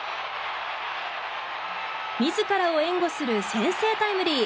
自らを援護する先制タイムリー。